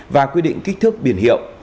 và quy định kích thước biển hiệu